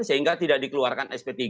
sehingga tidak dikeluarkan sp tiga